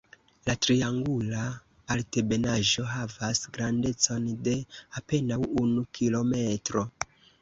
La triangula altebenaĵo havas grandecon de apenaŭ unu kilometro.